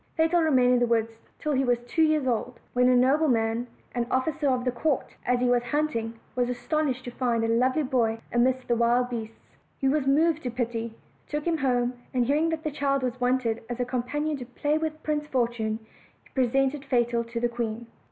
Fatal remained in the woods till he was two years old; when a nobleman, an officer of the court, as he was hunting, was astonished to find a lovely boy in the midst of wild beasts. He was moved to pity, took him home, and hearing that a child was wanted as a companion to play with Prince Fortune, he presented Fatal to the queen.